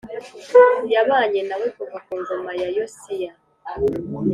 Yabanye nawe kuva ku ngoma ya Yosiya